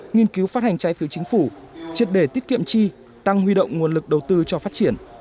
nghiên cứu phát hành trái phiếu chính phủ triệt đề tiết kiệm chi tăng huy động nguồn lực đầu tư cho phát triển